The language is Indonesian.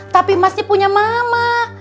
tapi emasnya punya mama